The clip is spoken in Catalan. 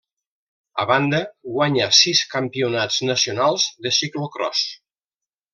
A banda guanyà sis campionats nacionals de ciclocròs.